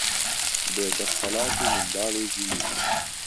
بێدهستهلات و منداڵ و ژیر